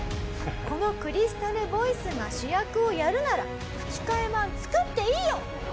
「このクリスタルボイスが主役をやるなら吹き替え版作っていいよ！」。